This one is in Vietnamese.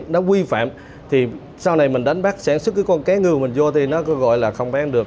nó vi phạm thì sau này mình đánh bắt sản xuất cái con cá ngừ mình vô thì nó gọi là không bán được